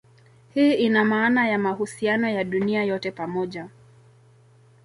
Hii ina maana ya mahusiano ya dunia yote pamoja.